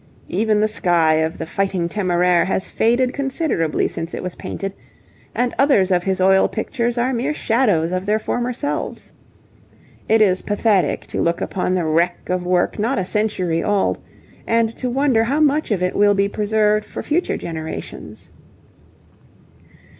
Even the sky of the 'Fighting Temeraire' has faded considerably since it was painted, and others of his oil pictures are mere shadows of their former selves. It is pathetic to look upon the wreck of work not a century old and to wonder how much of it will be preserved for future generations.